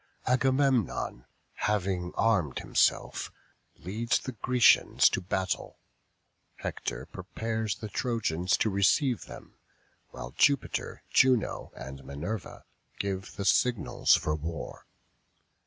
Agamemnon, having armed himself, leads the Grecians to battle; Hector prepares the Trojans to receive them; while Jupiter, Juno, and Minerva, give the signals of war.